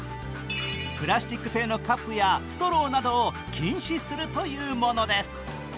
プラスチック製のカップやストローなどを禁止するというものです。